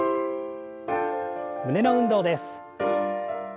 胸の運動です。